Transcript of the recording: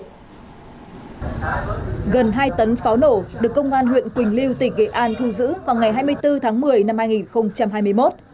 gần hai tấn pháo nổ được công an huyện quỳnh lưu tỉnh nghệ an thu giữ vào ngày hai mươi bốn tháng một mươi năm hai nghìn hai mươi một